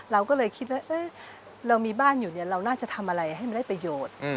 เราก็เลยคิดว่าเรามีบ้านอยู่เนี่ยเราน่าจะทำอะไรให้มันได้ประโยชน์